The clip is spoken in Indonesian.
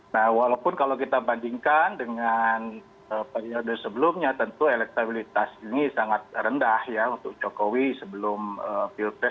nah walaupun kalau kita bandingkan dengan periode sebelumnya tentu elektabilitas ini sangat rendah ya untuk jokowi sebelum pilpres